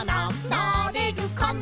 「なれるかな？